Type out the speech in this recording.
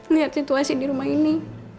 lihat situasi di rumah ini